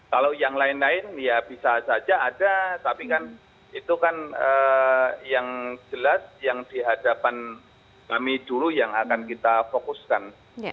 kalau yang lain lain ya bisa saja ada tapi kan itu kan yang jelas yang di hadapan kami dulu yang akan kita fokuskan